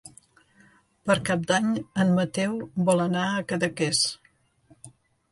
Per Cap d'Any en Mateu vol anar a Cadaqués.